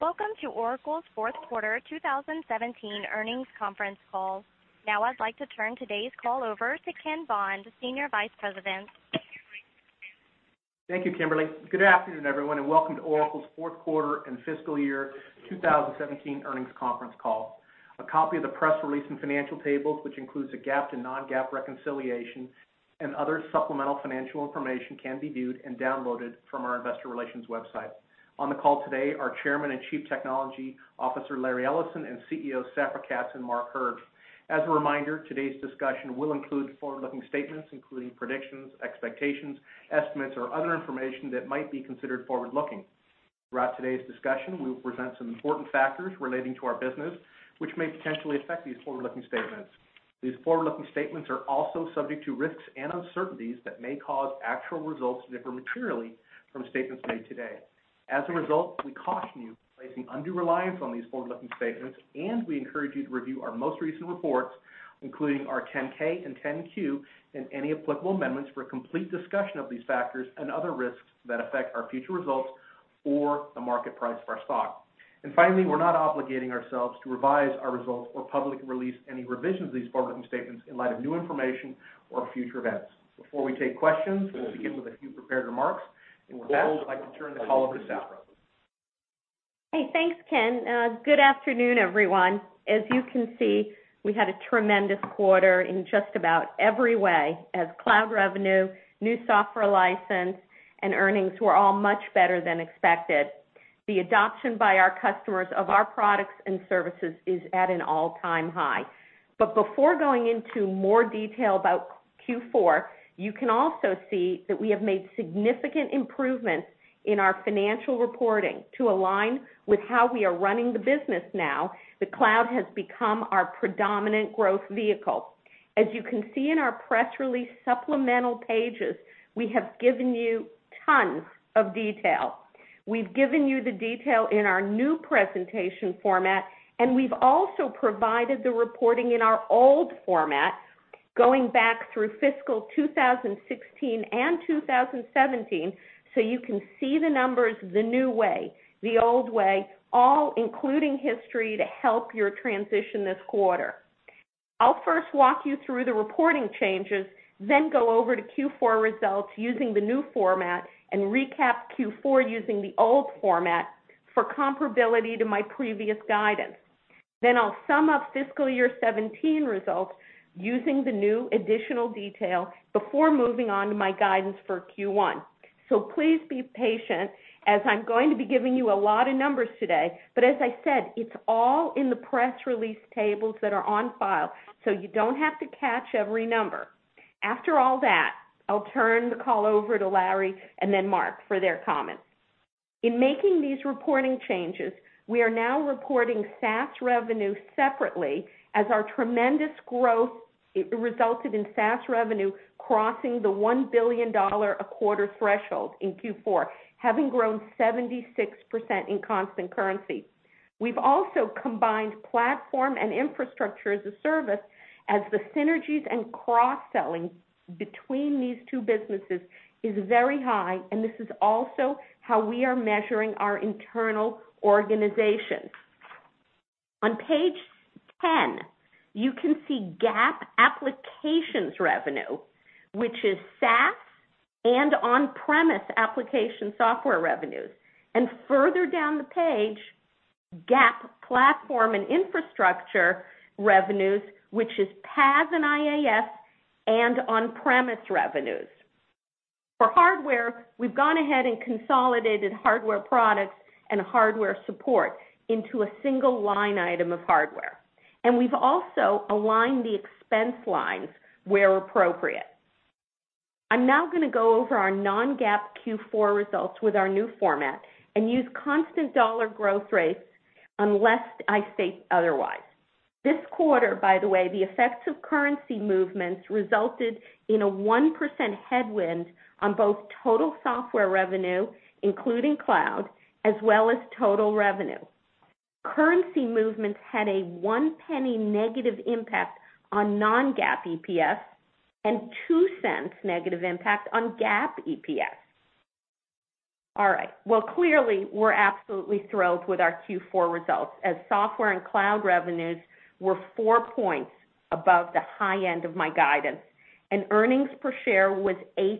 Welcome to Oracle's fourth quarter 2017 earnings conference call. I'd like to turn today's call over to Ken Bond, Senior Vice President. Thank you, Kimberly. Good afternoon, everyone, and welcome to Oracle's fourth quarter and fiscal year 2017 earnings conference call. A copy of the press release and financial tables, which includes a GAAP to non-GAAP reconciliation and other supplemental financial information can be viewed and downloaded from our investor relations website. On the call today are Chairman and Chief Technology Officer, Larry Ellison, CEO, Safra Catz, and Mark Hurd. As a reminder, today's discussion will include forward-looking statements, including predictions, expectations, estimates, or other information that might be considered forward-looking. Throughout today's discussion, we will present some important factors relating to our business, which may potentially affect these forward-looking statements. These forward-looking statements are also subject to risks and uncertainties that may cause actual results to differ materially from statements made today. As a result, we caution you placing undue reliance on these forward-looking statements. We encourage you to review our most recent reports, including our 10-K and 10-Q, and any applicable amendments for a complete discussion of these factors and other risks that affect our future results or the market price of our stock. Finally, we're not obligating ourselves to revise our results or publicly release any revisions of these forward-looking statements in light of new information or future events. Before we take questions, we'll begin with a few prepared remarks. With that, I'd like to turn the call over to Safra. Thanks, Ken. Good afternoon, everyone. As you can see, we had a tremendous quarter in just about every way as cloud revenue, new software license, and earnings were all much better than expected. The adoption by our customers of our products and services is at an all-time high. Before going into more detail about Q4, you can also see that we have made significant improvements in our financial reporting to align with how we are running the business now. The cloud has become our predominant growth vehicle. As you can see in our press release supplemental pages, we have given you tons of detail. We've given you the detail in our new presentation format, and we've also provided the reporting in our old format, going back through fiscal 2016 and 2017, so you can see the numbers the new way, the old way, all including history to help your transition this quarter. I'll first walk you through the reporting changes, then go over to Q4 results using the new format and recap Q4 using the old format for comparability to my previous guidance. Then I'll sum up fiscal year 2017 results using the new additional detail before moving on to my guidance for Q1. Please be patient, as I'm going to be giving you a lot of numbers today. As I said, it's all in the press release tables that are on file, so you don't have to catch every number. After all that, I'll turn the call over to Larry and then Mark for their comments. In making these reporting changes, we are now reporting SaaS revenue separately as our tremendous growth resulted in SaaS revenue crossing the $1 billion a quarter threshold in Q4, having grown 76% in constant currency. We've also combined Platform and Infrastructure as a Service as the synergies and cross-selling between these two businesses is very high, and this is also how we are measuring our internal organization. On page 10, you can see GAAP applications revenue, which is SaaS and on-premise application software revenues, and further down the page, GAAP platform and infrastructure revenues, which is PaaS and IaaS and on-premise revenues. For hardware, we've gone ahead and consolidated hardware products and hardware support into a single line item of hardware. We've also aligned the expense lines where appropriate. I'm now going to go over our non-GAAP Q4 results with our new format and use constant dollar growth rates unless I state otherwise. This quarter, by the way, the effects of currency movements resulted in a 1% headwind on both total software revenue, including cloud, as well as total revenue. Currency movements had a $0.01 negative impact on non-GAAP EPS and $0.02 negative impact on GAAP EPS. All right. Clearly, we're absolutely thrilled with our Q4 results, as software and cloud revenues were four points above the high end of my guidance, and earnings per share was $0.08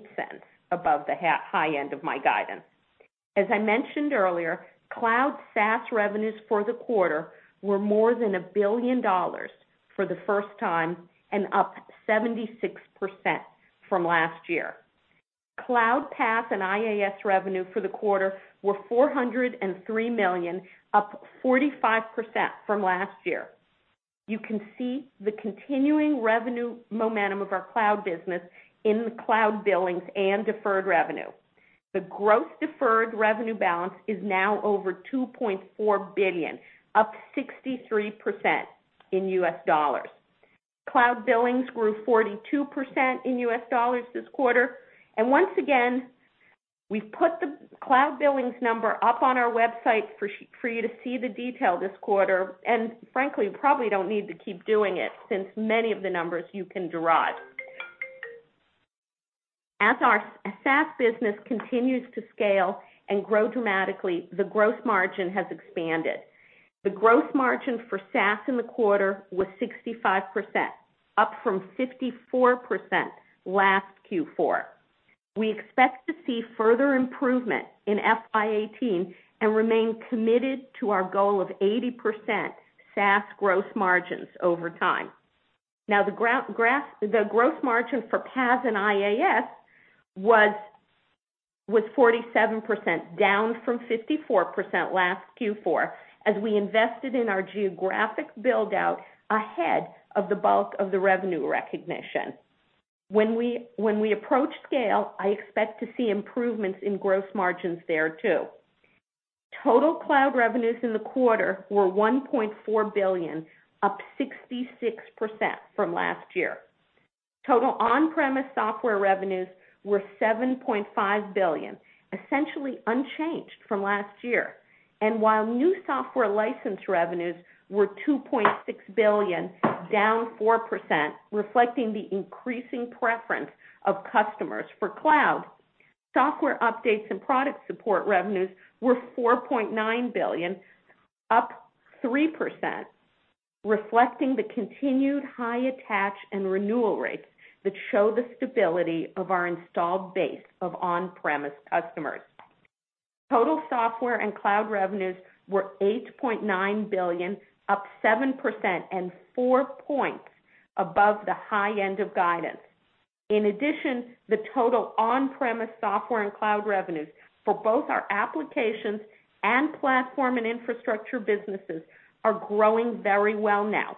above the high end of my guidance. As I mentioned earlier, Cloud SaaS revenues for the quarter were more than $1 billion for the first time and up 76% from last year. Cloud PaaS and IaaS revenue for the quarter were $403 million, up 45% from last year. You can see the continuing revenue momentum of our cloud business in the cloud billings and deferred revenue. The gross deferred revenue balance is now over $2.4 billion, up 63% in U.S. dollars. Cloud billings grew 42% in U.S. dollars this quarter. Once again, we've put the Cloud billings number up on our website for you to see the detail this quarter, and frankly, probably don't need to keep doing it since many of the numbers you can derive As our SaaS business continues to scale and grow dramatically, the gross margin has expanded. The gross margin for SaaS in the quarter was 65%, up from 54% last Q4. We expect to see further improvement in FY 2018 and remain committed to our goal of 80% SaaS gross margins over time. The gross margin for PaaS and IaaS was 47%, down from 54% last Q4, as we invested in our geographic build-out ahead of the bulk of the revenue recognition. When we approach scale, I expect to see improvements in gross margins there, too. Total cloud revenues in the quarter were $1.4 billion, up 66% from last year. Total on-premise software revenues were $7.5 billion, essentially unchanged from last year. While new software license revenues were $2.6 billion, down 4%, reflecting the increasing preference of customers for cloud, software updates and product support revenues were $4.9 billion, up 3%, reflecting the continued high attach and renewal rates that show the stability of our installed base of on-premise customers. Total software and cloud revenues were $8.9 billion, up 7% and four points above the high end of guidance. In addition, the total on-premise software and cloud revenues for both our applications and platform and infrastructure businesses are growing very well now.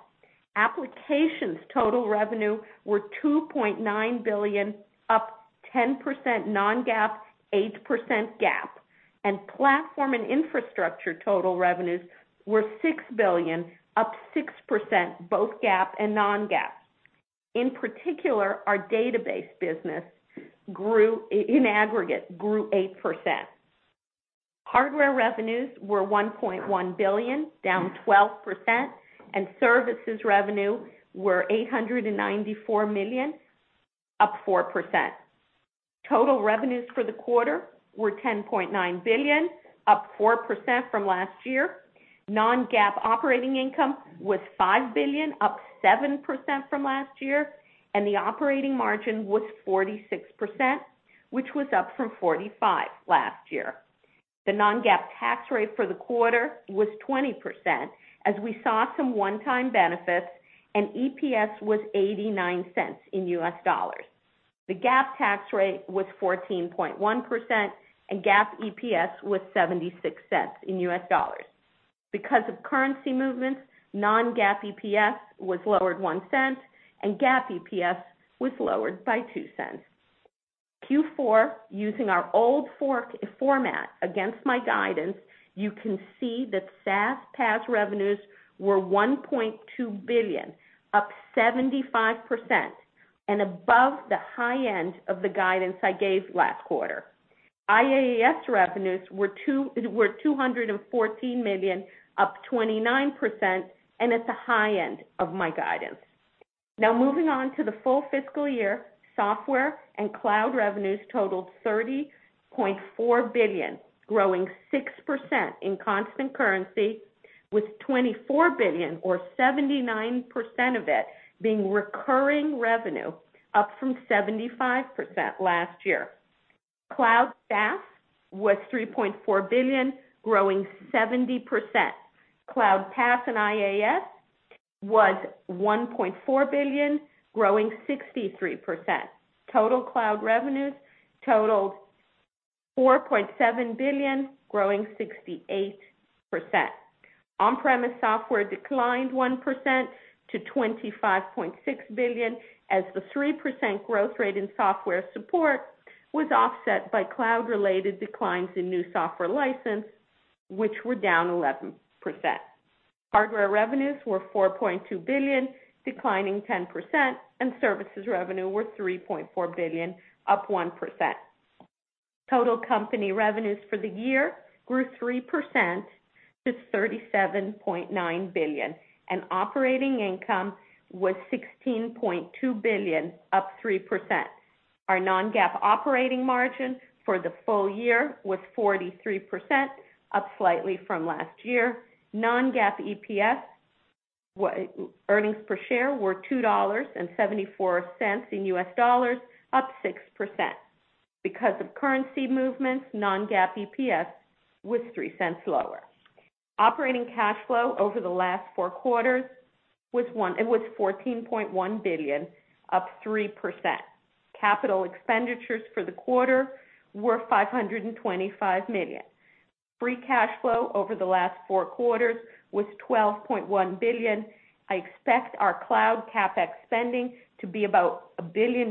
Applications' total revenue were $2.9 billion, up 10% non-GAAP, 8% GAAP. Platform and infrastructure total revenues were $6 billion, up 6%, both GAAP and non-GAAP. In particular, our database business, in aggregate, grew 8%. Hardware revenues were $1.1 billion, down 12%, and services revenue were $894 million, up 4%. Total revenues for the quarter were $10.9 billion, up 4% from last year. Non-GAAP operating income was $5 billion, up 7% from last year, and the operating margin was 46%, which was up from 45% last year. The non-GAAP tax rate for the quarter was 20%, as we saw some one-time benefits, and EPS was $0.89. The GAAP tax rate was 14.1%, and GAAP EPS was $0.76. Because of currency movements, non-GAAP EPS was lowered $0.01, and GAAP EPS was lowered by $0.02. Q4, using our old format against my guidance, you can see that SaaS/PaaS revenues were $1.2 billion, up 75%, and above the high end of the guidance I gave last quarter. IaaS revenues were $214 million, up 29%, and at the high end of my guidance. Moving on to the full fiscal year, software and cloud revenues totaled $30.4 billion, growing 6% in constant currency, with $24 billion or 79% of it being recurring revenue, up from 75% last year. Cloud SaaS was $3.4 billion, growing 70%. Cloud PaaS and IaaS was $1.4 billion, growing 63%. Total cloud revenues totaled $4.7 billion, growing 68%. On-premise software declined 1% to $25.6 billion, as the 3% growth rate in software support was offset by cloud-related declines in new software license, which were down 11%. Hardware revenues were $4.2 billion, declining 10%, and services revenue were $3.4 billion, up 1%. Total company revenues for the year grew 3% to $37.9 billion, and operating income was $16.2 billion, up 3%. Our non-GAAP operating margin for the full year was 43%, up slightly from last year. Non-GAAP EPS, earnings per share, were $2.74, up 6%. Because of currency movements, non-GAAP EPS was $0.03 lower. Operating cash flow over the last four quarters was $14.1 billion, up 3%. Capital expenditures for the quarter were $525 million. Free cash flow over the last four quarters was $12.1 billion. I expect our cloud CapEx spending to be about $1 billion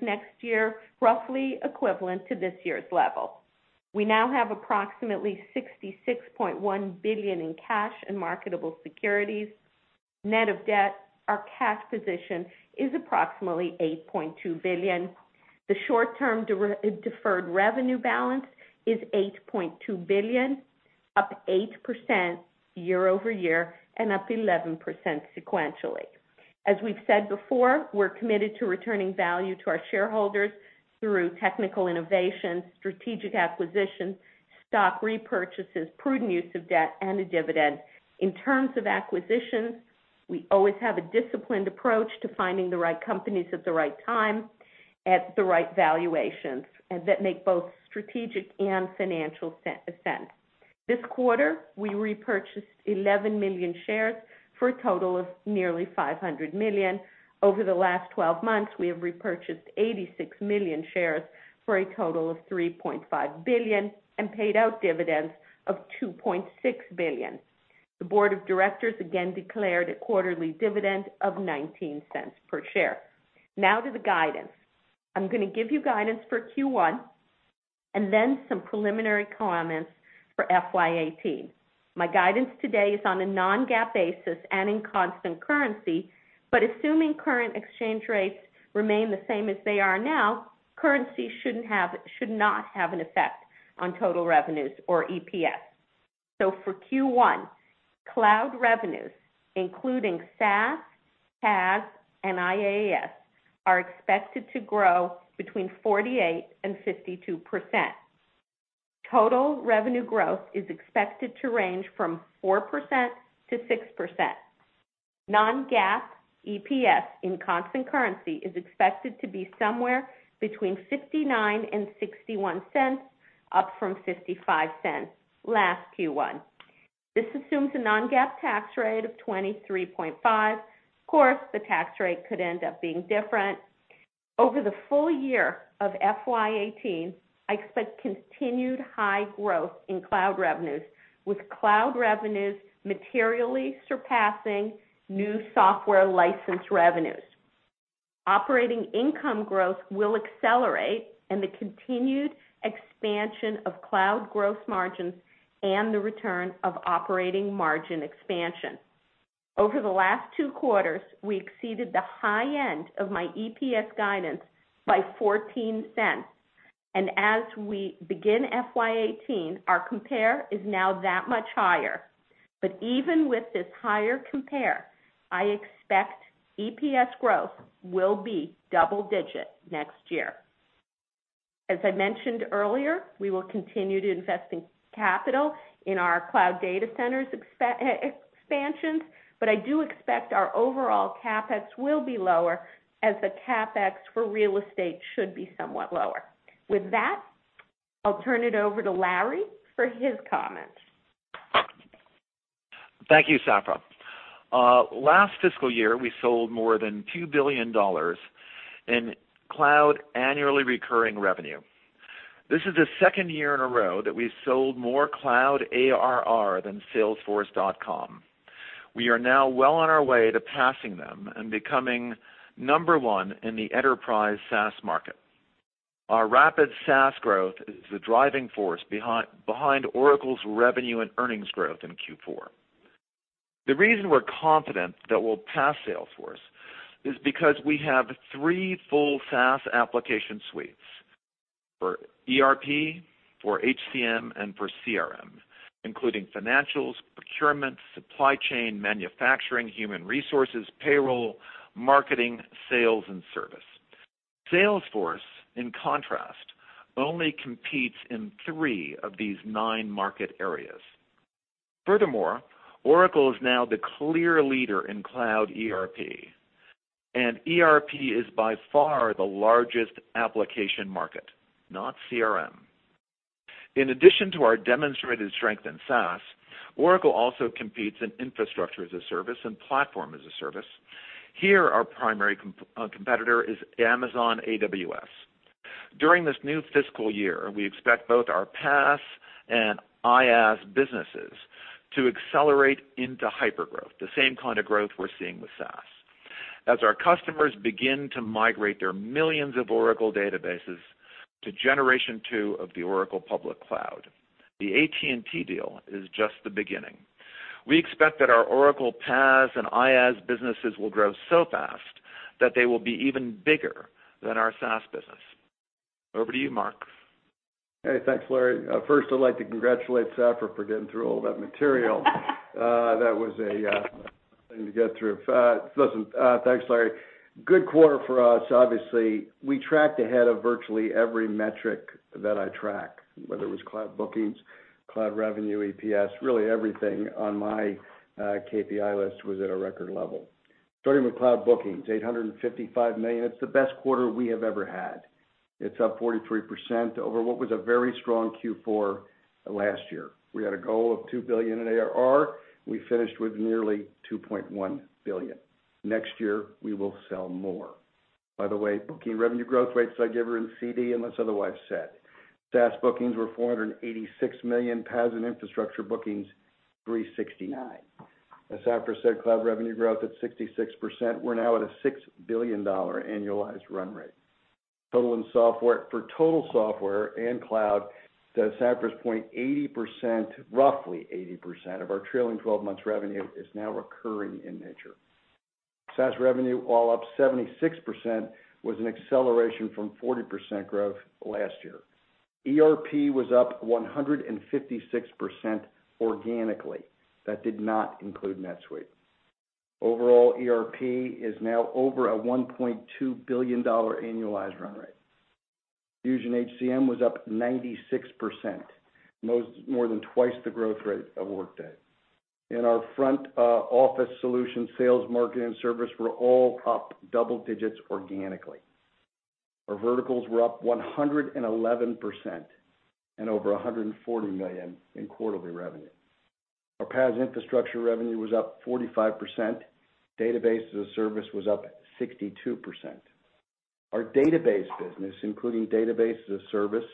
next year, roughly equivalent to this year's level. We now have approximately $66.1 billion in cash and marketable securities. Net of debt, our cash position is approximately $8.2 billion. The short-term deferred revenue balance is $8.2 billion. Up 8% year-over-year and up 11% sequentially. As we've said before, we're committed to returning value to our shareholders through technical innovation, strategic acquisition, stock repurchases, prudent use of debt, and a dividend. In terms of acquisitions, we always have a disciplined approach to finding the right companies at the right time, at the right valuations, and that make both strategic and financial sense. This quarter, we repurchased 11 million shares for a total of nearly $500 million. Over the last 12 months, we have repurchased 86 million shares for a total of $3.5 billion and paid out dividends of $2.6 billion. The board of directors again declared a quarterly dividend of $0.19 per share. To the guidance. I'm going to give you guidance for Q1, then some preliminary comments for FY18. My guidance today is on a non-GAAP basis and in constant currency, but assuming current exchange rates remain the same as they are now, currency should not have an effect on total revenues or EPS. For Q1, cloud revenues, including SaaS, PaaS, and IaaS, are expected to grow between 48%-52%. Total revenue growth is expected to range from 4%-6%. Non-GAAP EPS in constant currency is expected to be somewhere between $0.59-$0.61 up from $0.55 last Q1. This assumes a non-GAAP tax rate of 23.5%. Of course, the tax rate could end up being different. Over the full year of FY18, I expect continued high growth in cloud revenues, with cloud revenues materially surpassing new software license revenues. Operating income growth will accelerate and the continued expansion of cloud gross margins and the return of operating margin expansion. Over the last 2 quarters, we exceeded the high end of my EPS guidance by $0.14. As we begin FY18, our compare is now that much higher. Even with this higher compare, I expect EPS growth will be double digit next year. As I mentioned earlier, we will continue to invest in capital in our cloud data centers expansions, but I do expect our overall CapEx will be lower as the CapEx for real estate should be somewhat lower. With that, I'll turn it over to Larry for his comments. Thank you, Safra. Last fiscal year, we sold more than $2 billion in cloud annually recurring revenue. This is the 2nd year in a row that we've sold more cloud ARR than Salesforce.com. We are now well on our way to passing them and becoming number 1 in the enterprise SaaS market. Our rapid SaaS growth is the driving force behind Oracle's revenue and earnings growth in Q4. The reason we're confident that we'll pass Salesforce is because we have 3 full SaaS application suites for ERP, for HCM, and for CRM, including financials, procurement, supply chain, manufacturing, human resources, payroll, marketing, sales, and service. Salesforce, in contrast, only competes in 3 of these 9 market areas. Furthermore, Oracle is now the clear leader in cloud ERP is by far the largest application market, not CRM. In addition to our demonstrated strength in SaaS, Oracle also competes in infrastructure as a service and platform as a service. Here, our primary competitor is Amazon AWS. During this new fiscal year, we expect both our PaaS and IaaS businesses to accelerate into hypergrowth, the same kind of growth we're seeing with SaaS. As our customers begin to migrate their millions of Oracle databases to generation two of the Oracle public cloud. The AT&T deal is just the beginning. We expect that our Oracle PaaS and IaaS businesses will grow so fast that they will be even bigger than our SaaS business. Over to you, Mark. Hey, thanks, Larry. First, I'd like to congratulate Safra for getting through all that material. That was a thing to get through. Listen, thanks, Larry. Good quarter for us, obviously. We tracked ahead of virtually every metric that I track, whether it was cloud bookings, cloud revenue, EPS, really everything on my KPI list was at a record level. Starting with cloud bookings, $855 million. It's the best quarter we have ever had. It's up 43% over what was a very strong Q4 last year. We had a goal of $2 billion in ARR. We finished with nearly $2.1 billion. Next year, we will sell more. By the way, booking revenue growth rates I give are in CD, unless otherwise said. SaaS bookings were $486 million, PaaS and infrastructure bookings $369 million. As Safra said, cloud revenue growth at 66%. We're now at a $6 billion annualized run rate. For total software and cloud, to Safra's point, 80%, roughly 80% of our trailing 12 months revenue is now recurring in nature. SaaS revenue, while up 76%, was an acceleration from 40% growth last year. ERP was up 156% organically. That did not include NetSuite. Overall, ERP is now over a $1.2 billion annualized run rate. Fusion HCM was up 96%, more than twice the growth rate of Workday. Our front office solution sales, marketing, and service were all up double digits organically. Our verticals were up 111% and over $140 million in quarterly revenue. Our PaaS infrastructure revenue was up 45%. Database as a Service was up 62%. Our database business, including Database as a Service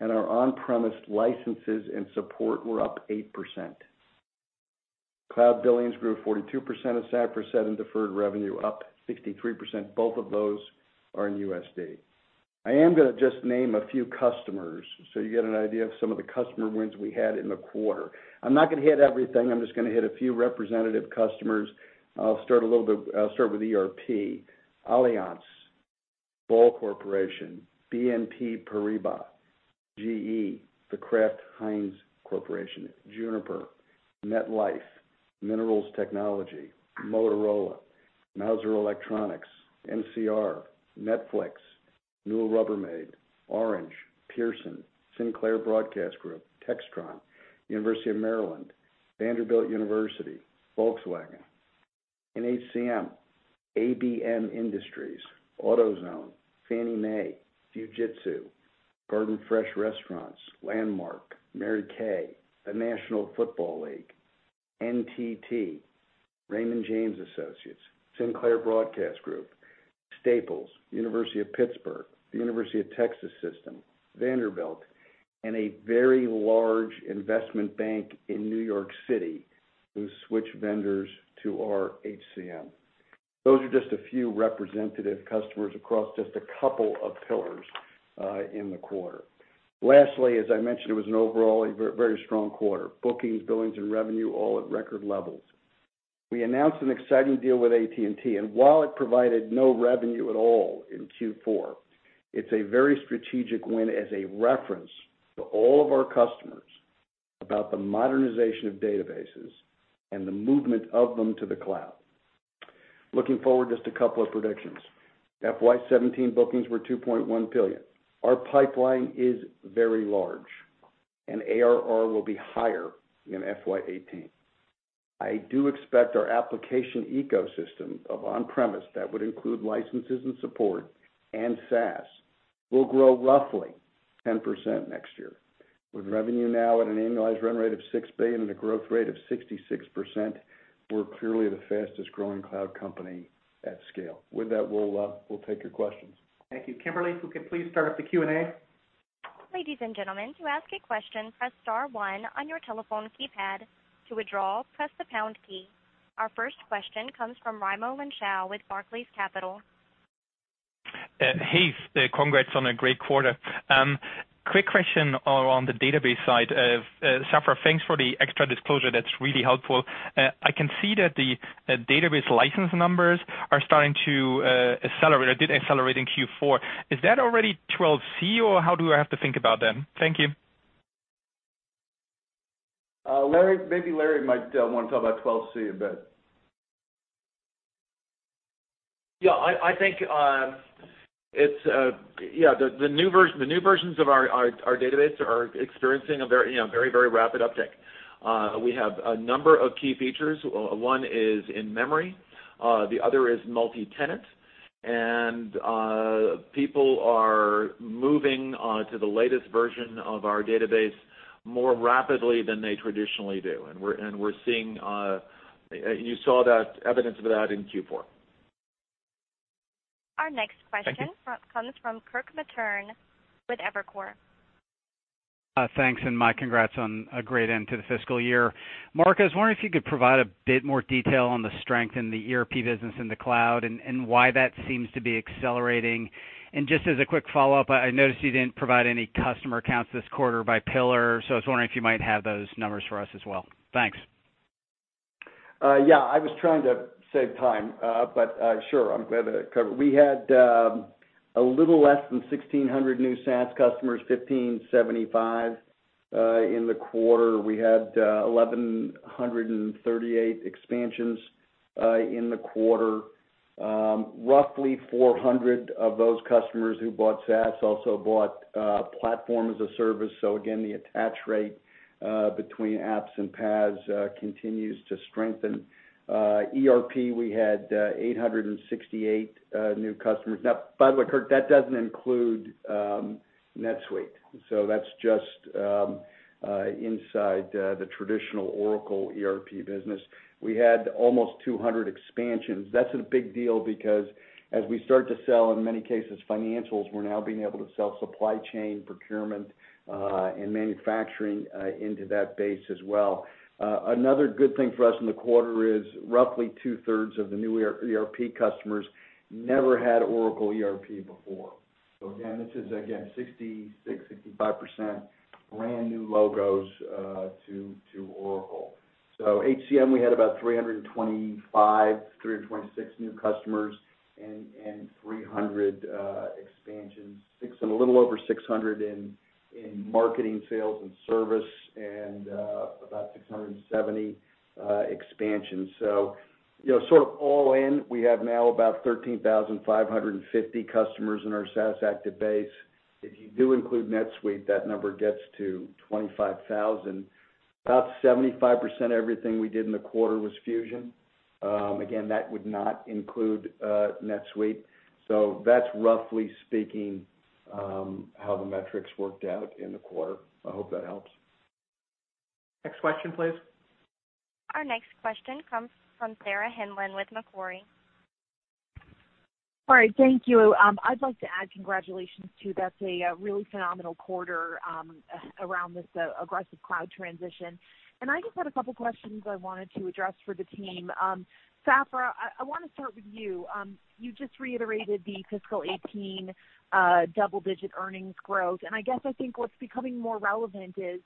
and our on-premise licenses and support, were up 8%. Cloud billings grew 42%, and SaaS percent in deferred revenue up 63%. Both of those are in USD. I am going to just name a few customers so you get an idea of some of the customer wins we had in the quarter. I'm not going to hit everything. I'm just going to hit a few representative customers. I'll start with ERP. Allianz, Ball Corporation, BNP Paribas, GE, The Kraft Heinz Company, Juniper, MetLife, Minerals Technologies, Motorola, Mouser Electronics, NCR, Netflix, Newell Rubbermaid, Orange, Pearson, Sinclair Broadcast Group, Textron, University of Maryland, Vanderbilt University, Volkswagen. In HCM, ABM Industries, AutoZone, Fannie Mae, Fujitsu, Garden Fresh Restaurants, Landmark, Mary Kay, the National Football League, NTT, Raymond James Associates, Sinclair Broadcast Group, Staples, University of Pittsburgh, The University of Texas System, Vanderbilt, and a very large investment bank in New York City who switched vendors to our HCM. Those are just a few representative customers across just a couple of pillars in the quarter. Lastly, as I mentioned, it was an overall a very strong quarter. Bookings, billings, and revenue, all at record levels. We announced an exciting deal with AT&T, and while it provided no revenue at all in Q4, it's a very strategic win as a reference to all of our customers about the modernization of databases and the movement of them to the cloud. Looking forward, just a couple of predictions. FY17 bookings were $2.1 billion. Our pipeline is very large, and ARR will be higher in FY18. I do expect our application ecosystem of on-premise, that would include licenses and support and SaaS, will grow roughly 10% next year. With revenue now at an annualized run rate of $6 billion and a growth rate of 66%, we're clearly the fastest-growing cloud company at scale. With that, we'll take your questions. Thank you. Kimberly, if we could please start up the Q&A. Ladies and gentlemen, to ask a question, press star one on your telephone keypad. To withdraw, press the pound key. Our first question comes from Raimo Lenschow with Barclays Capital. Hey. Congrats on a great quarter. Quick question around the database side of software. Thanks for the extra disclosure. That's really helpful. I can see that the database license numbers are starting to accelerate. It did accelerate in Q4. Is that already 12c, or how do I have to think about them? Thank you. Larry, maybe Larry might want to talk about 12c a bit. Yeah, the new versions of our database are experiencing a very rapid uptick. We have a number of key features. One is in-memory, the other is multi-tenant. People are moving on to the latest version of our database more rapidly than they traditionally do. You saw evidence of that in Q4. Our next question. Thank you. Comes from Kirk Materne with Evercore. Thanks, my congrats on a great end to the fiscal year. Mark, I was wondering if you could provide a bit more detail on the strength in the ERP business in the cloud and why that seems to be accelerating. Just as a quick follow-up, I noticed you didn't provide any customer counts this quarter by pillar, so I was wondering if you might have those numbers for us as well. Thanks. Yeah, I was trying to save time, sure, I'm glad cover it. We had a little less than 1,600 new SaaS customers, 1,575 in the quarter. We had 1,138 expansions in the quarter. Roughly 400 of those customers who bought SaaS also bought platform as a service. Again, the attach rate between apps and PaaS continues to strengthen. ERP, we had 868 new customers. By the way, Kirk, that doesn't include NetSuite. That's just inside the traditional Oracle ERP business. We had almost 200 expansions. That's a big deal because as we start to sell, in many cases, financials, we're now being able to sell supply chain procurement and manufacturing into that base as well. Another good thing for us in the quarter is roughly two-thirds of the new ERP customers never had Oracle ERP before. Again, this is 66%, 65% brand new logos to Oracle. HCM, we had about 325, 326 new customers and 300 expansions, and a little over 600 in marketing, sales, and service, and about 670 expansions. All in, we have now about 13,550 customers in our SaaS active base. If you do include NetSuite, that number gets to 25,000. About 75% of everything we did in the quarter was Fusion. Again, that would not include NetSuite. That's roughly speaking, how the metrics worked out in the quarter. I hope that helps. Next question, please. Our next question comes from Sarah Hindlian with Macquarie. All right. Thank you. I'd like to add congratulations too. That's a really phenomenal quarter around this aggressive cloud transition. I just had a couple questions I wanted to address for the team. Safra, I want to start with you. You just reiterated the FY 2018 double-digit earnings growth, and I guess I think what's becoming more relevant is,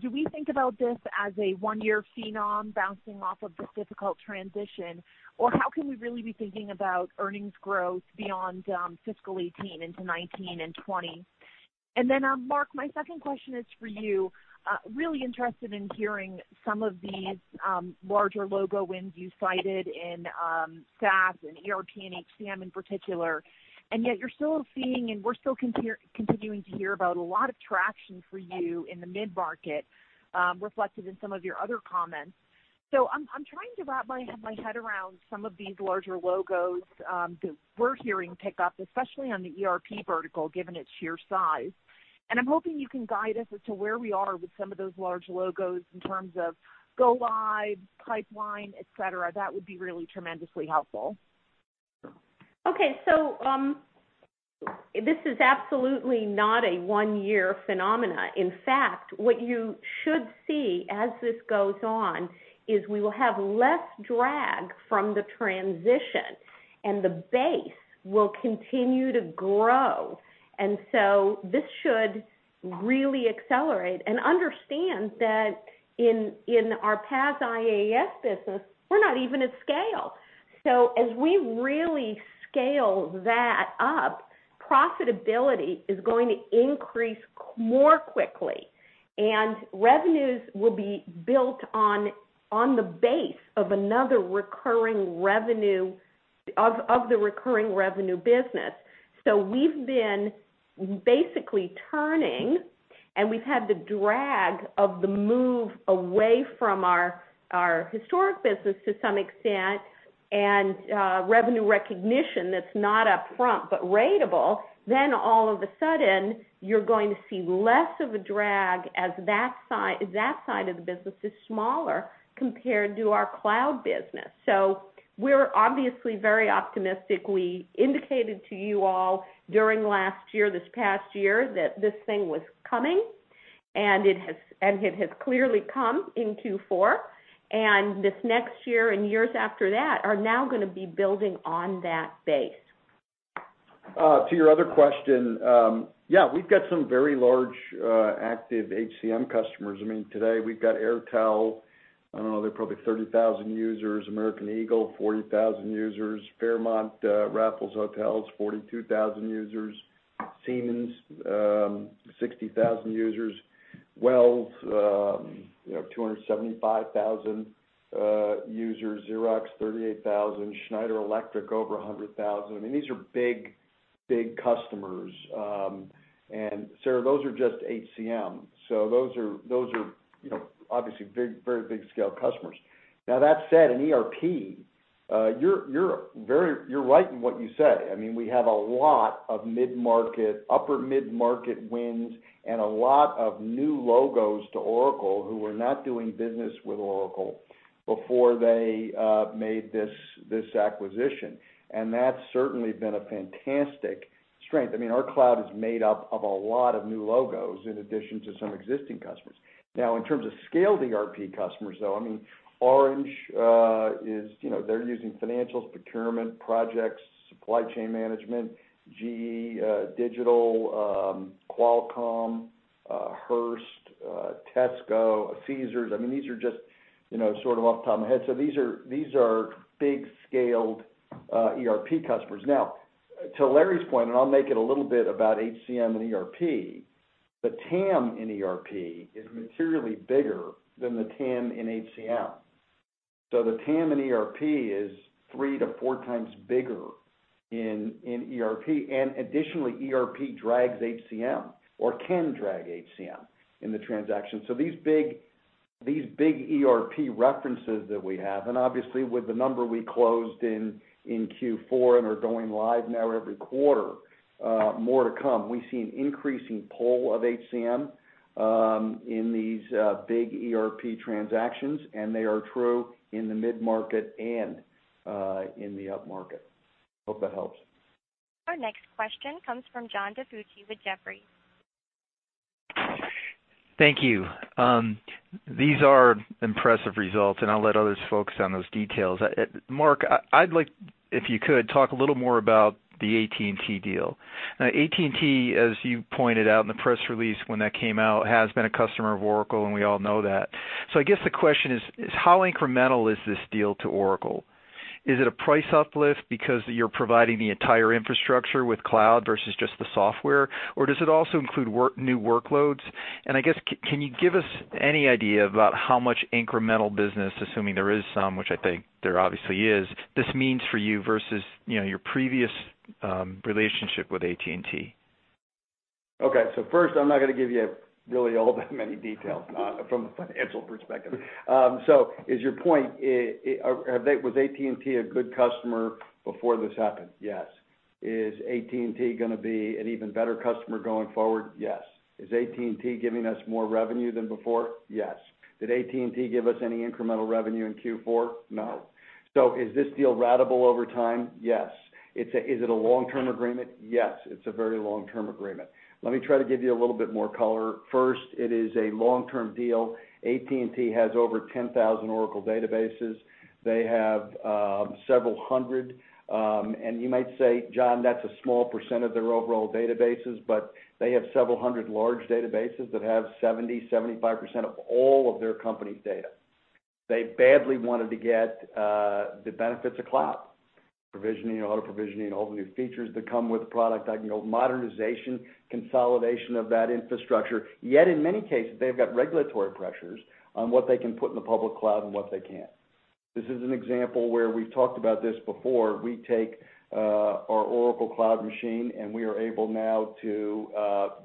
do we think about this as a one-year phenom bouncing off of this difficult transition, or how can we really be thinking about earnings growth beyond FY 2018 into 2019 and 2020? Mark, my second question is for you. Really interested in hearing some of these larger logo wins you cited in SaaS and ERP and HCM in particular, and yet you're still seeing, and we're still continuing to hear about a lot of traction for you in the mid-market, reflected in some of your other comments. I'm trying to wrap my head around some of these larger logos that we're hearing pick up, especially on the ERP vertical, given its sheer size. I'm hoping you can guide us as to where we are with some of those large logos in terms of go live, pipeline, et cetera. That would be really tremendously helpful. This is absolutely not a one-year phenomena. In fact, what you should see as this goes on is we will have less drag from the transition, and the base will continue to grow. This should really accelerate. Understand that in our PaaS/IaaS business, we're not even at scale. As we really scale that up, profitability is going to increase more quickly, and revenues will be built on the base of the recurring revenue business. We've been basically turning, and we've had the drag of the move away from our historic business to some extent, and revenue recognition that's not up front, but ratable. All of a sudden, you're going to see less of a drag as that side of the business is smaller compared to our cloud business. We're obviously very optimistic. We indicated to you all during last year, this past year, that this thing was coming, and it has clearly come in Q4. This next year and years after that are now going to be building on that base. To your other question, yeah, we've got some very large, active HCM customers. Today, we've got Airtel, I don't know, they're probably 30,000 users. American Eagle, 40,000 users. Fairmont Raffles Hotels, 42,000 users. Siemens, 60,000 users. Wells, 275,000 users. Xerox, 38,000. Schneider Electric, over 100,000. These are big customers. Sarah, those are just HCM. Those are obviously very big-scale customers. Now, that said, in ERP, you're right in what you said. We have a lot of upper mid-market wins and a lot of new logos to Oracle who were not doing business with Oracle before they made this acquisition. That's certainly been a fantastic strength. Our cloud is made up of a lot of new logos in addition to some existing customers. Now, in terms of scale ERP customers, though, Orange, they're using financials, procurement, projects, supply chain management. GE Digital, Qualcomm, Hearst, Tesco, Caesars. These are just off the top of my head. These are big-scaled ERP customers. Now, to Larry's point, and I'll make it a little bit about HCM and ERP, the TAM in ERP is materially bigger than the TAM in HCM. The TAM in ERP is 3 to 4 times bigger in ERP, and additionally, ERP drags HCM or can drag HCM in the transaction. These big ERP references that we have, and obviously with the number we closed in Q4 and are going live now every quarter, more to come. We see an increasing pull of HCM in these big ERP transactions, and they are true in the mid-market and in the upmarket. Hope that helps. Our next question comes from John DiFucci with Jefferies. Thank you. These are impressive results, and I'll let others focus on those details. Mark, I'd like, if you could, talk a little more about the AT&T deal. AT&T, as you pointed out in the press release when that came out, has been a customer of Oracle, and we all know that. I guess the question is how incremental is this deal to Oracle? Is it a price uplift because you're providing the entire infrastructure with cloud versus just the software? Does it also include new workloads? I guess, can you give us any idea about how much incremental business, assuming there is some, which I think there obviously is, this means for you versus your previous relationship with AT&T? Okay, first, I'm not going to give you really all that many details from a financial perspective. Is your point, was AT&T a good customer before this happened? Yes. Is AT&T going to be an even better customer going forward? Yes. Is AT&T giving us more revenue than before? Yes. Did AT&T give us any incremental revenue in Q4? No. Is this deal ratable over time? Yes. Is it a long-term agreement? Yes, it's a very long-term agreement. Let me try to give you a little bit more color. First, it is a long-term deal. AT&T has over 10,000 Oracle databases. They have several hundred. You might say, "John, that's a small percent of their overall databases," but they have several hundred large databases that have 70%, 75% of all of their company's data. They badly wanted to get the benefits of cloud. Provisioning, auto-provisioning, all the new features that come with the product, modernization, consolidation of that infrastructure. In many cases, they've got regulatory pressures on what they can put in the public cloud and what they can't. This is an example where we've talked about this before. We take our Oracle Cloud Machine, we are able now to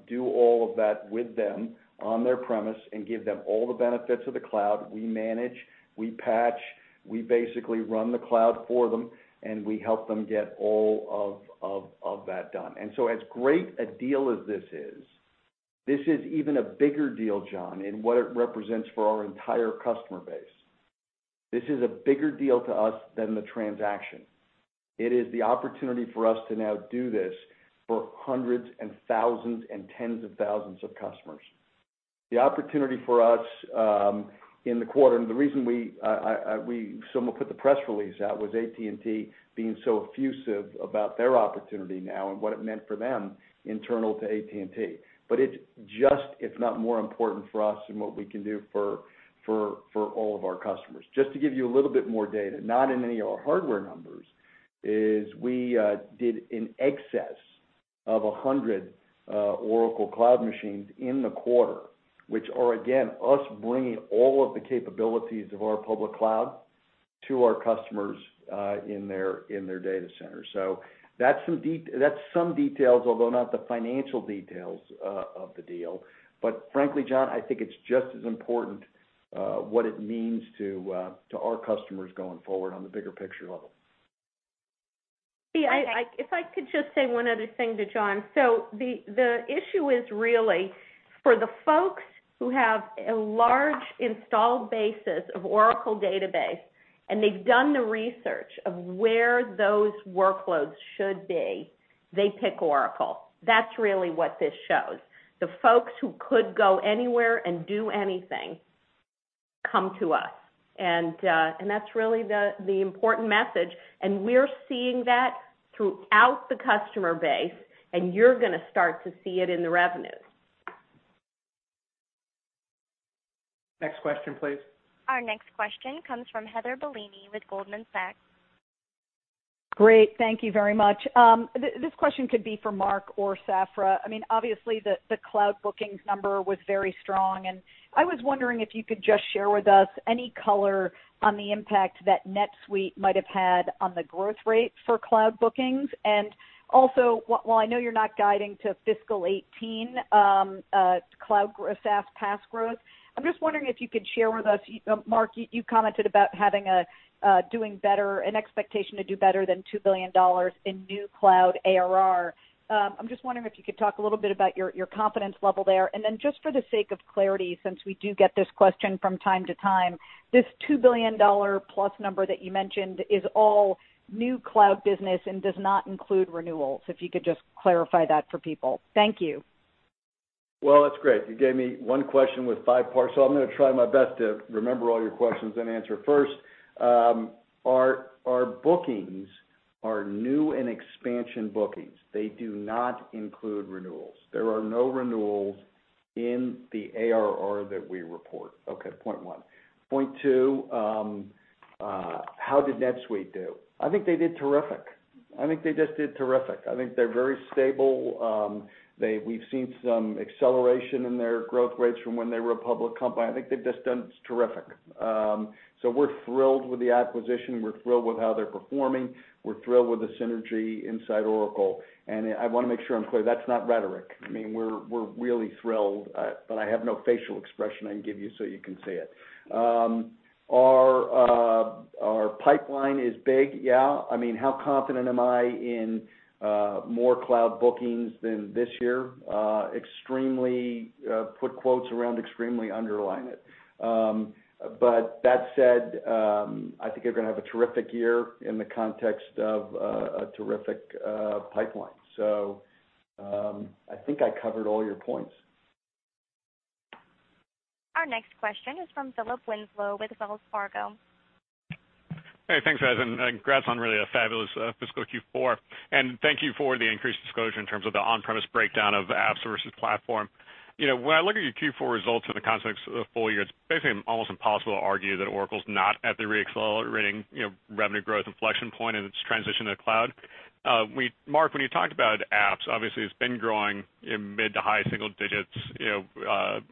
do all of that with them on their premise and give them all the benefits of the cloud. We manage, we patch, we basically run the cloud for them, and we help them get all of that done. As great a deal as this is, this is even a bigger deal, John, in what it represents for our entire customer base. This is a bigger deal to us than the transaction. It is the opportunity for us to now do this for hundreds and thousands and tens of thousands of customers. The opportunity for us in the quarter, and the reason we somewhat put the press release out was AT&T being so effusive about their opportunity now and what it meant for them internal to AT&T. It's just, if not more important for us in what we can do for all of our customers. Just to give you a little bit more data, not in any of our hardware numbers, is we did in excess of 100 Oracle Cloud machines in the quarter, which are, again, us bringing all of the capabilities of our public cloud to our customers in their data centers. That's some details, although not the financial details of the deal. Frankly, John, I think it's just as important what it means to our customers going forward on the bigger picture level. If I could just say one other thing to John. The issue is really for the folks who have a large installed basis of Oracle Database, and they've done the research of where those workloads should be, they pick Oracle. That's really what this shows. The folks who could go anywhere and do anything come to us, and that's really the important message, and we're seeing that throughout the customer base, and you're going to start to see it in the revenues. Next question, please. Our next question comes from Heather Bellini with Goldman Sachs. Great. Thank you very much. This question could be for Mark or Safra. Obviously, the cloud bookings number was very strong. I was wondering if you could just share with us any color on the impact that NetSuite might have had on the growth rate for cloud bookings. Also, while I know you're not guiding to fiscal 2018 cloud SaaS PaaS growth, I'm just wondering if you could share with us, Mark, you commented about having an expectation to do better than $2 billion in new cloud ARR. I'm just wondering if you could talk a little bit about your confidence level there. Then just for the sake of clarity, since we do get this question from time to time, this $2 billion plus number that you mentioned is all new cloud business and does not include renewals. If you could just clarify that for people. Thank you. Well, that's great. You gave me one question with five parts. I'm going to try my best to remember all your questions and answer. First, our bookings are new and expansion bookings. They do not include renewals. There are no renewals in the ARR that we report. Okay, point one. Point two, how did NetSuite do? I think they did terrific. I think they just did terrific. I think they're very stable. We've seen some acceleration in their growth rates from when they were a public company. I think they've just done terrific. We're thrilled with the acquisition. We're thrilled with how they're performing. We're thrilled with the synergy inside Oracle. I want to make sure I'm clear, that's not rhetoric. We're really thrilled, but I have no facial expression I can give you so you can see it. Our pipeline is big, yeah. How confident am I in more cloud bookings than this year? Extremely, put quotes around extremely, underline it. That said, I think they're going to have a terrific year in the context of a terrific pipeline. I think I covered all your points. Our next question is from Philip Winslow with Wells Fargo. Hey, thanks, guys, congrats on really a fabulous fiscal Q4. Thank you for the increased disclosure in terms of the on-premise breakdown of apps versus platform. When I look at your Q4 results in the context of the full year, it's basically almost impossible to argue that Oracle's not at the re-accelerating revenue growth inflection point in its transition to the cloud. Mark, when you talked about apps, obviously it's been growing in mid to high single digits,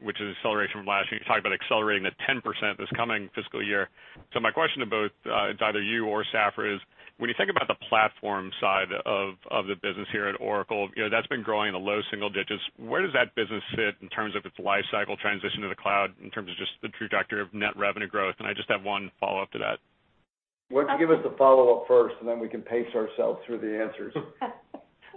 which is acceleration from last year. You talked about accelerating to 10% this coming fiscal year. My question to both, it's either you or Safra, is when you think about the platform side of the business here at Oracle, that's been growing in the low single digits. Where does that business fit in terms of its life cycle transition to the cloud, in terms of just the trajectory of net revenue growth? I just have one follow-up to that. Give us the follow-up first, and then we can pace ourselves through the answers.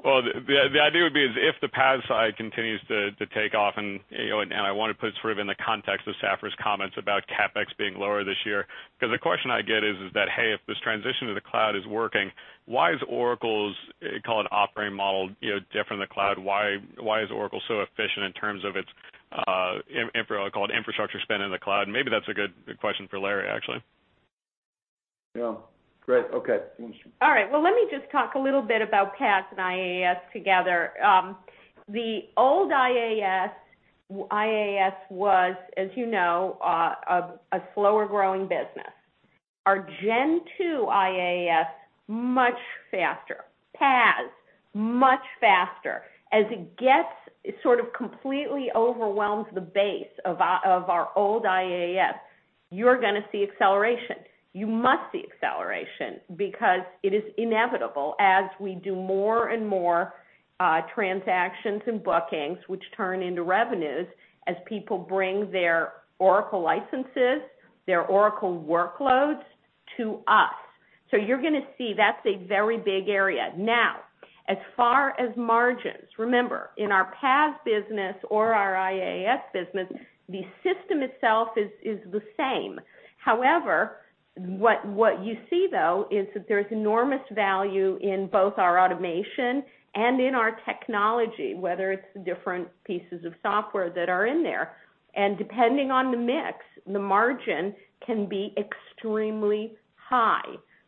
Well, the idea would be is if the PaaS side continues to take off, and I want to put sort of in the context of Safra's comments about CapEx being lower this year. The question I get is that, hey, if this transition to the cloud is working, why is Oracle's, call it, operating model different in the cloud? Why is Oracle so efficient in terms of its, call it, infrastructure spend in the cloud? Maybe that's a good question for Larry, actually. Yeah. Great. Okay. All right. Well, let me just talk a little bit about PaaS and IaaS together. The old IaaS was, as you know, a slower growing business. Our Gen 2 IaaS, much faster. PaaS, much faster. As it gets sort of completely overwhelms the base of our old IaaS, you're going to see acceleration. You must see acceleration because it is inevitable as we do more and more transactions and bookings, which turn into revenues as people bring their Oracle licenses, their Oracle workloads to us. You're going to see that's a very big area. As far as margins, remember, in our PaaS business or our IaaS business, the system itself is the same. However, what you see, though, is that there's enormous value in both our automation and in our technology, whether it's the different pieces of software that are in there. Depending on the mix, the margin can be extremely high.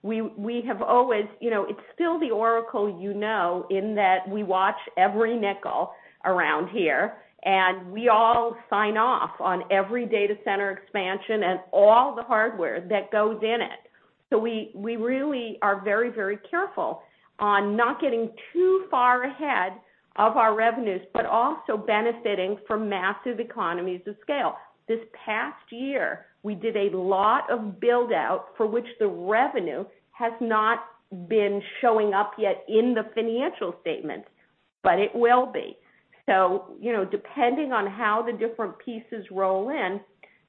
It's still the Oracle you know, in that we watch every nickel around here, and we all sign off on every data center expansion and all the hardware that goes in it. We really are very careful on not getting too far ahead of our revenues, but also benefiting from massive economies of scale. This past year, we did a lot of build-out for which the revenue has not been showing up yet in the financial statement, but it will be. Depending on how the different pieces roll in,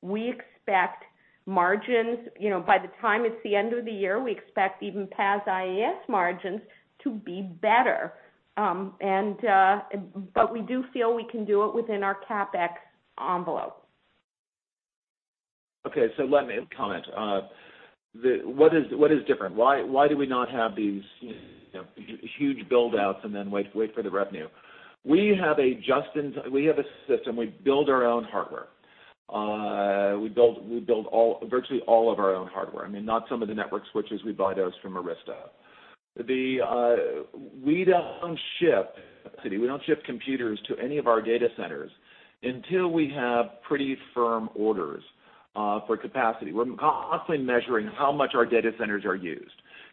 we expect margins, by the time it's the end of the year, we expect even PaaS IaaS margins to be better. We do feel we can do it within our CapEx envelope. Okay. Let me comment. What is different? Why do we not have these huge build-outs and then wait for the revenue? We have a system. We build our own hardware. We build virtually all of our own hardware. Not some of the network switches, we buy those from Arista. We don't ship computers to any of our data centers until we have pretty firm orders for capacity. We're constantly measuring how much our data centers are used.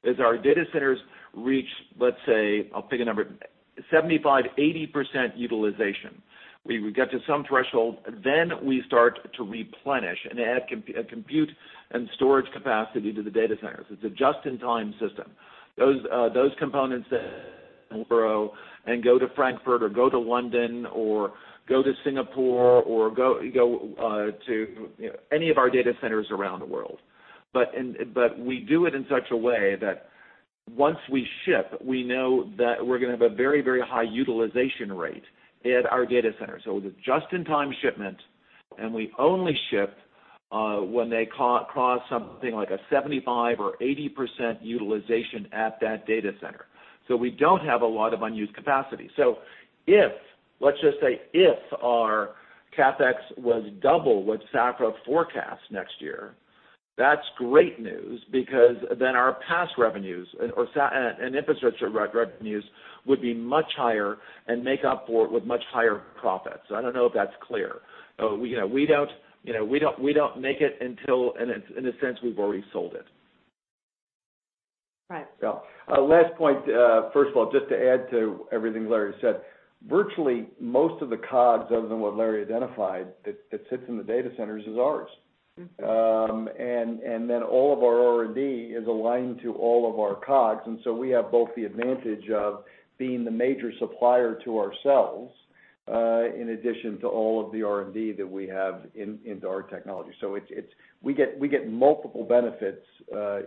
As our data centers reach, let's say, I'll pick a number, 75%-80% utilization. We get to some threshold, we start to replenish and add compute and storage capacity to the data centers. It's a just-in-time system. Those components grow and go to Frankfurt or go to London or go to Singapore or go to any of our data centers around the world. We do it in such a way that once we ship, we know that we're going to have a very high utilization rate at our data center. It's a just-in-time shipment, and we only ship when they cross something like a 75% or 80% utilization at that data center. We don't have a lot of unused capacity. If, let's just say, if our CapEx was double what Safra forecasts next year, that's great news because then our PaaS revenues and infrastructure revenues would be much higher and make up for it with much higher profits. I don't know if that's clear. We don't make it until, in a sense, we've already sold it. Right. Last point, first of all, just to add to everything Larry said. Virtually most of the COGS, other than what Larry identified, that sits in the data centers is ours. All of our R&D is aligned to all of our COGS, we have both the advantage of being the major supplier to ourselves, in addition to all of the R&D that we have into our technology. We get multiple benefits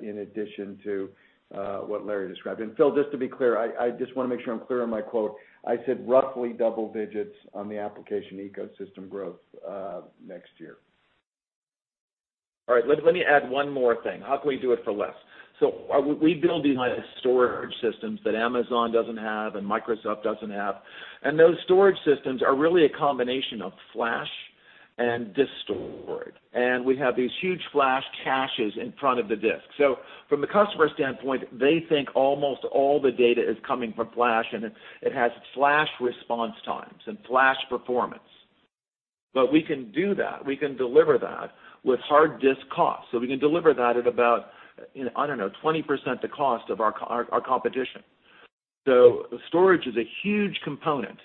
in addition to what Larry described. Phil, just to be clear, I just want to make sure I'm clear on my quote. I said roughly double digits on the application ecosystem growth next year. All right. Let me add one more thing. How can we do it for less? We build these storage systems that Amazon doesn't have and Microsoft doesn't have. Those storage systems are really a combination of flash and disk storage. We have these huge flash caches in front of the disk. From the customer standpoint, they think almost all the data is coming from flash, and it has flash response times and flash performance. We can do that, we can deliver that with hard disk costs. We can deliver that at about, I don't know, 20% the cost of our competition. Storage is a huge component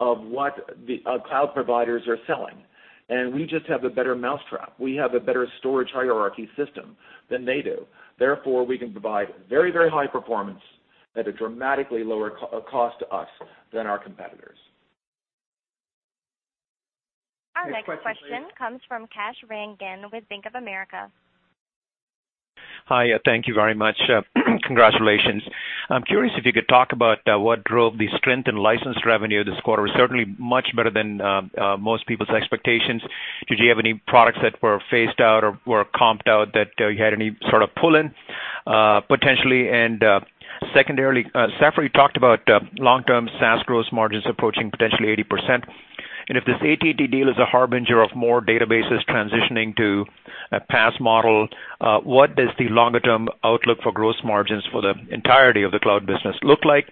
of what cloud providers are selling, and we just have a better mousetrap. We have a better storage hierarchy system than they do. Therefore, we can provide very high performance at a dramatically lower cost to us than our competitors. Our next question comes from Kash Rangan with Bank of America. Hi. Thank you very much. Congratulations. I'm curious if you could talk about what drove the strength in license revenue this quarter. Certainly much better than most people's expectations. Did you have any products that were phased out or were comped out that you had any sort of pull-in potentially? Secondarily, Safra, you talked about long-term SaaS gross margins approaching potentially 80%. If this AT&T deal is a harbinger of more databases transitioning to a PaaS model, what does the longer-term outlook for gross margins for the entirety of the cloud business look like?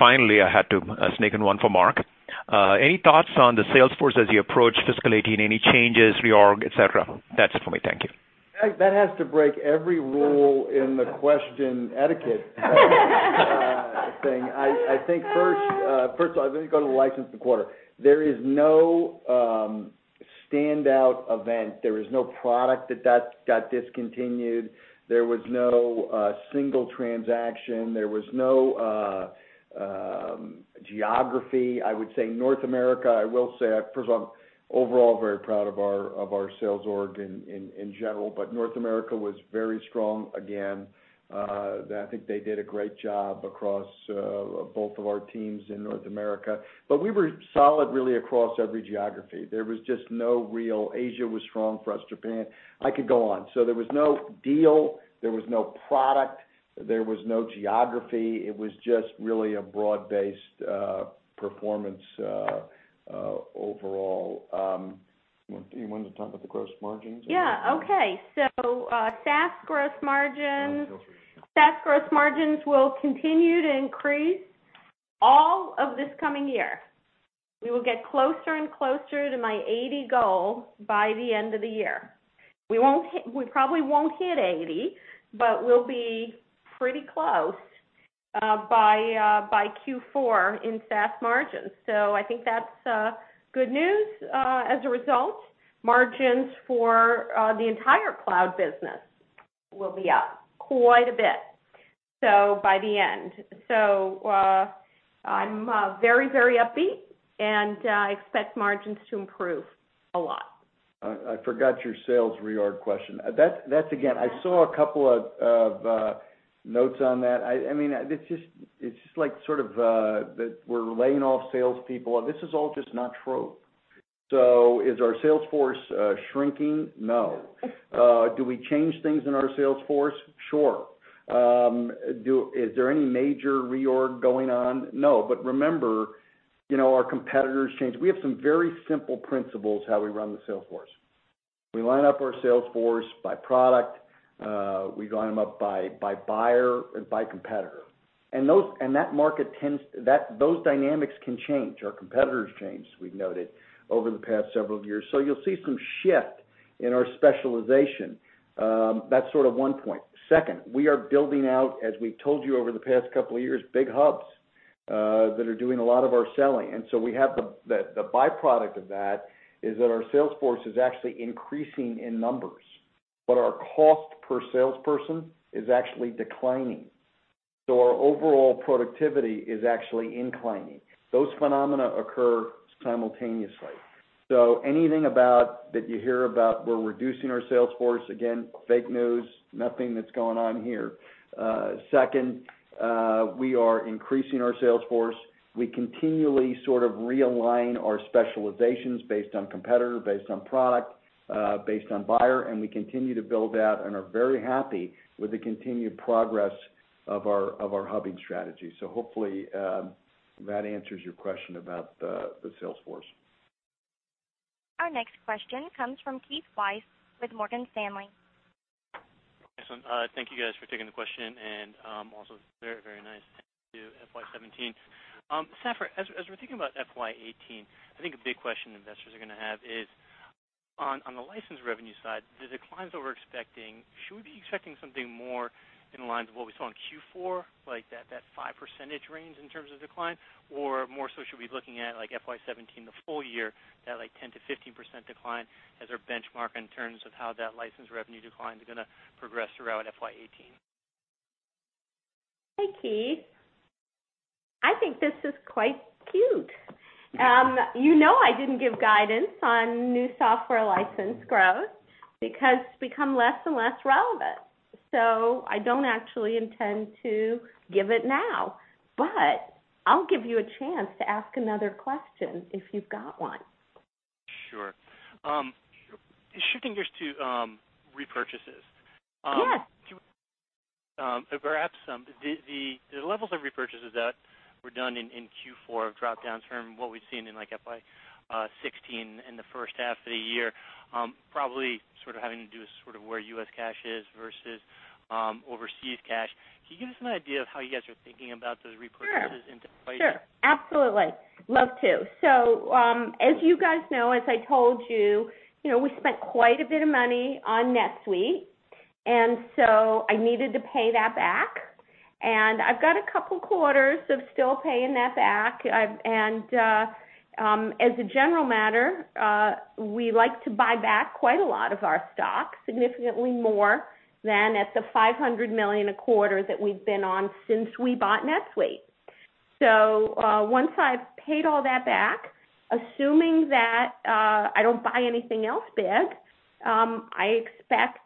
Finally, I had to sneak in one for Mark. Any thoughts on the sales force as you approach fiscal 2018? Any changes, reorg, et cetera? That's it for me. Thank you. That has to break every rule in the question etiquette thing. I think first of all, let me go to the license quarter. There is no standout event. There is no product that got discontinued. There was no single transaction. There was no geography. I would say North America, I will say, first of all, I'm overall very proud of our sales org in general. North America was very strong again. I think they did a great job across both of our teams in North America. We were solid really across every geography. There was just no real. Asia was strong for us, Japan. I could go on. There was no deal, there was no product, there was no geography. It was just really a broad-based performance overall. Do you want to talk about the gross margins? Yeah. Okay. SaaS gross margins will continue to increase all of this coming year. We will get closer and closer to my 80 goal by the end of the year. We probably won't hit 80, but we'll be pretty close by Q4 in SaaS margins. I think that's good news. As a result, margins for the entire cloud business will be up quite a bit by the end. I'm very upbeat, and I expect margins to improve a lot. I forgot your sales reorg question. That's, again, I saw a couple of notes on that. It's just like we're laying off salespeople. This is all just not true. Is our sales force shrinking? No. Do we change things in our sales force? Sure. Is there any major reorg going on? No. Remember, our competitors change. We have some very simple principles how we run the sales force. We line up our sales force by product. We line them up by buyer and by competitor. Those dynamics can change. Our competitors change, we've noted, over the past several years. You'll see some shift in our specialization. That's one point. Second, we are building out, as we've told you over the past couple of years, big hubs that are doing a lot of our selling. The byproduct of that is that our sales force is actually increasing in numbers. Our cost per salesperson is actually declining. Our overall productivity is actually inclining. Those phenomena occur simultaneously. Anything that you hear about we're reducing our sales force, again, fake news, nothing that's going on here. Second, we are increasing our sales force. We continually realign our specializations based on competitor, based on product, based on buyer, and we continue to build out and are very happy with the continued progress of our hubbing strategy. Hopefully, that answers your question about the sales force. Our next question comes from Keith Weiss with Morgan Stanley. Excellent. Thank you guys for taking the question and also very nice to FY 2017. Safra, as we're thinking about FY 2018, I think a big question investors are going to have is on the license revenue side, the declines that we're expecting, should we be expecting something more in line with what we saw in Q4, like that 5% range in terms of decline? More so should we be looking at FY 2017 the full year, that 10%-15% decline as our benchmark in terms of how that license revenue decline is going to progress throughout FY 2018? Hey, Keith. I think this is quite cute. You know I didn't give guidance on new software license growth because it's become less and less relevant I don't actually intend to give it now, but I'll give you a chance to ask another question if you've got one. Sure. Shifting just to repurchases. Yeah. Perhaps the levels of repurchases that were done in Q4 have dropped down from what we've seen in FY 2016 in the first half of the year, probably having to do with where U.S. cash is versus overseas cash. Can you give us an idea of how you guys are thinking about those repurchases into play? Sure. Absolutely. Love to. As you guys know, as I told you, we spent quite a bit of money on NetSuite, I needed to pay that back. I've got a couple quarters of still paying that back. As a general matter, we like to buy back quite a lot of our stock, significantly more than at the $500 million a quarter that we've been on since we bought NetSuite. Once I've paid all that back, assuming that I don't buy anything else big, I expect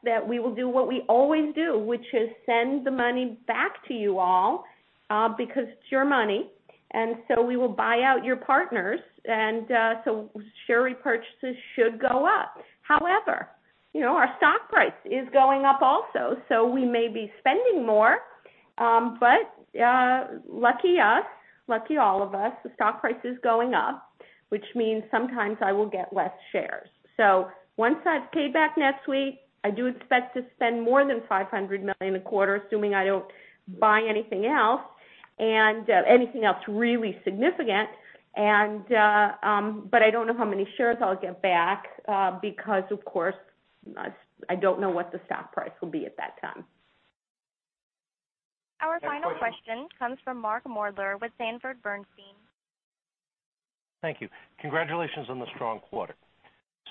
that we will do what we always do, which is send the money back to you all, because it's your money. We will buy out your partners, share repurchases should go up. Our stock price is going up also, so we may be spending more. Lucky us, lucky all of us, the stock price is going up, which means sometimes I will get less shares. Once I've paid back NetSuite, I do expect to spend more than $500 million a quarter, assuming I don't buy anything else, anything else really significant. I don't know how many shares I'll get back, because of course, I don't know what the stock price will be at that time. Our final question comes from Mark Moerdler with Sanford C. Bernstein. Thank you. Congratulations on the strong quarter.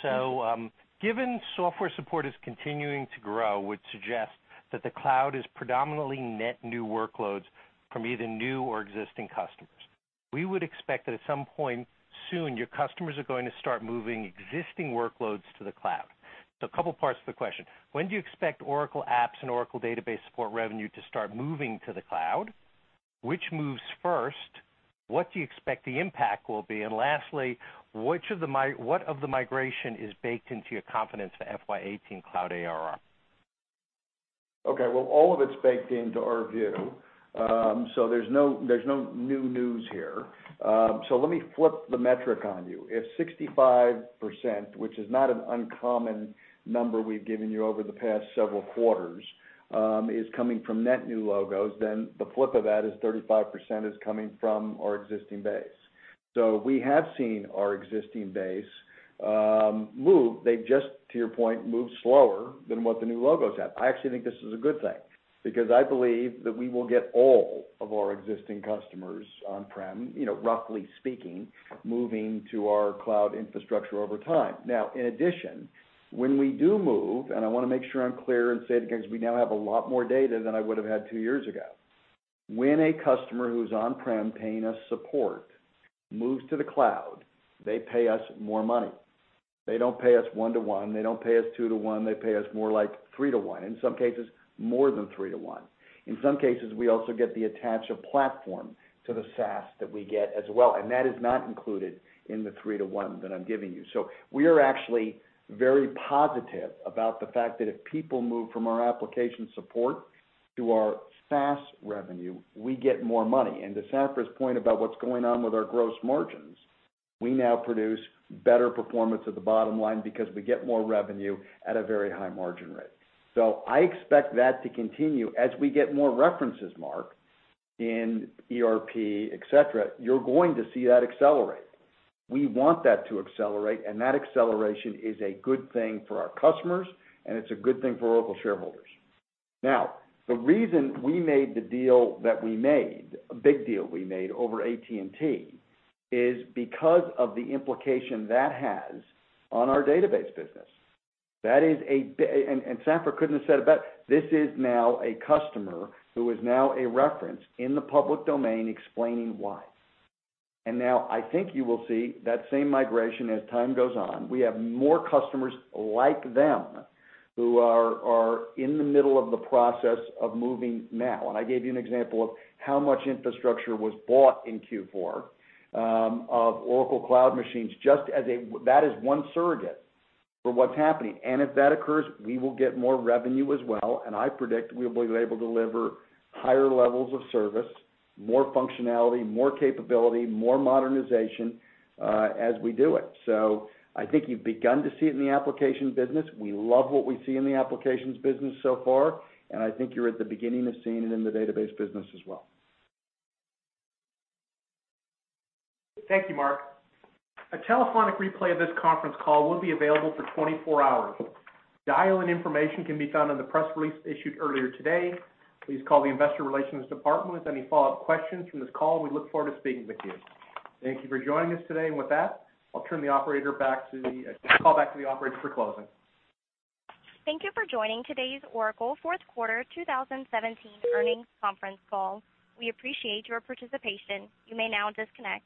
Thank you. Given software support is continuing to grow, would suggest that the cloud is predominantly net new workloads from either new or existing customers. We would expect that at some point soon, your customers are going to start moving existing workloads to the cloud. A couple parts to the question. When do you expect Oracle Apps and Oracle Database support revenue to start moving to the cloud? Which moves first? What do you expect the impact will be? Lastly, what of the migration is baked into your confidence for FY 2018 cloud ARR? Well, all of it's baked into our view, there's no new news here. Let me flip the metric on you. If 65%, which is not an uncommon number we've given you over the past several quarters, is coming from net new logos, then the flip of that is 35% is coming from our existing base. We have seen our existing base move. They've just, to your point, moved slower than what the new logos have. I actually think this is a good thing, because I believe that we will get all of our existing customers on-prem, roughly speaking, moving to our cloud infrastructure over time. In addition, when we do move, and I want to make sure I'm clear and say it again, because we now have a lot more data than I would have had two years ago. When a customer who's on-prem paying us support moves to the cloud, they pay us more money. They don't pay us one to one, they don't pay us two to one, they pay us more like three to one. In some cases, more than three to one. In some cases, we also get the attach of platform to the SaaS that we get as well, and that is not included in the three to one that I'm giving you. We are actually very positive about the fact that if people move from our application support to our SaaS revenue, we get more money. To Safra's point about what's going on with our gross margins, we now produce better performance at the bottom line because we get more revenue at a very high margin rate. I expect that to continue. As we get more references, Mark, in ERP, et cetera, you're going to see that accelerate. We want that to accelerate, that acceleration is a good thing for our customers, and it's a good thing for Oracle shareholders. The reason we made the deal that we made, a big deal we made over AT&T, is because of the implication that has on our database business. Safra couldn't have said it better. This is now a customer who is now a reference in the public domain explaining why. Now I think you will see that same migration as time goes on. We have more customers like them who are in the middle of the process of moving now. I gave you an example of how much infrastructure was bought in Q4 of Oracle Cloud Machines. That is one surrogate for what's happening. If that occurs, we will get more revenue as well, I predict we'll be able to deliver higher levels of service, more functionality, more capability, more modernization, as we do it. I think you've begun to see it in the application business. We love what we see in the applications business so far, I think you're at the beginning of seeing it in the database business as well. Thank you, Mark. A telephonic replay of this conference call will be available for 24 hours. Dial-in information can be found on the press release issued earlier today. Please call the investor relations department with any follow-up questions from this call, and we look forward to speaking with you. Thank you for joining us today. With that, I call back to the operator for closing. Thank you for joining today's Oracle fourth quarter 2017 earnings conference call. We appreciate your participation. You may now disconnect.